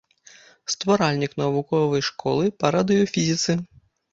Стваральнік навуковай школы па радыёфізіцы.